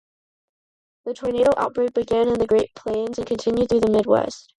This tornado outbreak began in the Great Plains and continued throughout the Midwest.